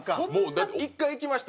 だって１回行きました。